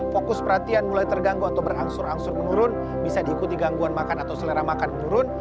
fokus perhatian mulai terganggu atau berangsur angsur menurun bisa diikuti gangguan makan atau selera makan menurun